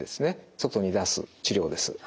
外に出す治療です。